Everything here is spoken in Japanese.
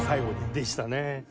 でしたね。